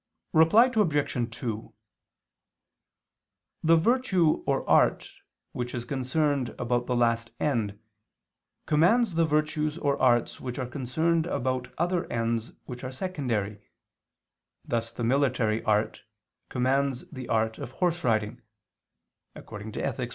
Reply Obj. 2: The virtue or art which is concerned about the last end, commands the virtues or arts which are concerned about other ends which are secondary, thus the military art commands the art of horse riding (Ethic.